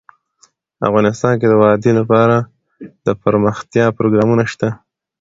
افغانستان کې د وادي لپاره دپرمختیا پروګرامونه شته.